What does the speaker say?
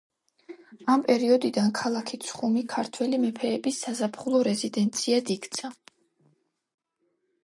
ამ პერიოდიდან ქალაქი ცხუმი ქართველი მეფეების საზაფხულო რეზიდენციად იქცა.